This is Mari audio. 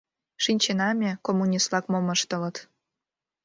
Шинчена ме, коммунист-влак мом ыштылыт...